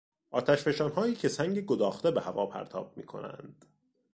آتشفشانهایی که سنگ گداخته به هوا پرتاب میکنند